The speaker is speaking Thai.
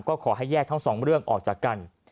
ก็ขอให้แยกทั้งสองเรื่องออกจากกัน